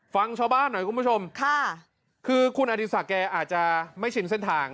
ฟังชาวบ้านหน่อยคุณผู้ชมค่ะคือคุณอดีศักดิ์แกอาจจะไม่ชินเส้นทาง